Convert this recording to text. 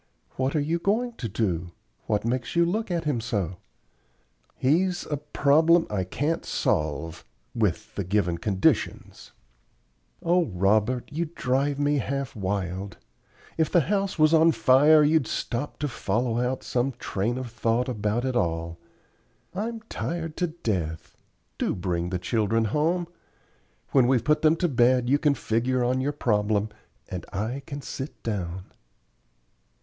"What are you going to do? What makes you look at him so?" "He's a problem I can't solve with the given conditions." "O Robert, you drive me half wild. If the house was on fire you'd stop to follow out some train of thought about it all. I'm tired to death. Do bring the children home. When we've put them to bed you can figure on your problem, and I can sit down."